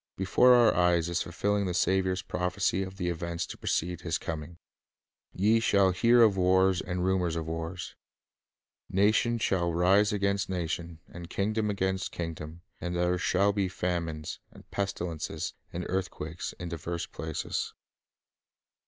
Before our eyes is fulfilling the Saviour's prophecy of the events to precede His coming: "Ye shall hear of wars and rumors of wars. ... Nation shall rise against nation, and kingdom against kingdom; and there shall be famines, and pestilences, and earth quakes, in divers places."